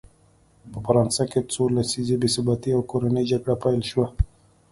په فرانسه کې څو لسیزې بې ثباتي او کورنۍ جګړه پیل شوه.